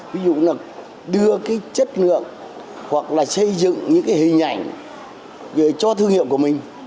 ví dụ là đưa cái chất lượng hoặc là xây dựng những cái hình ảnh cho thương hiệu của mình